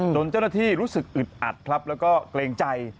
จนเจ้าหน้าที่รู้สึกอึดอัดครับแล้วก็เกรงใจ